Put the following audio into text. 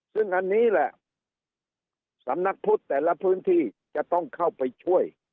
ซึ่งอันนี้แหละสำนักพุทธแต่ละพื้นที่จะต้องเข้าไปช่วย